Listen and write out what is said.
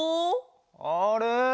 あれ？